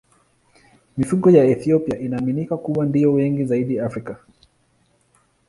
Mifugo ya Ethiopia inaaminika kuwa ndiyo wengi zaidi Afrika.